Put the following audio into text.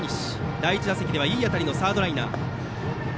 第１打席はいい当たりのサードライナー。